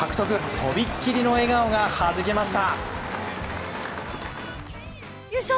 とびっきりの笑顔がはじけました。